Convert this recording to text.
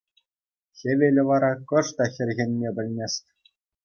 Хӗвелӗ вара кӑшт та хӗрхенме пӗлмест.